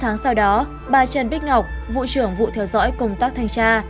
sáu tháng sau đó bà trần bích ngọc vụ trưởng vụ theo dõi công tác thanh tra